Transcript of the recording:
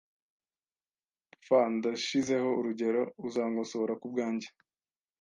f Ndashizeho urugero, uzankosora kubwanjye?